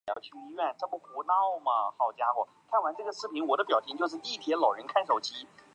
省体育馆站是一个岛式月台车站。